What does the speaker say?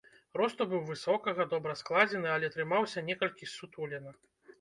Росту быў высокага, добра складзены, але трымаўся некалькі ссутулена.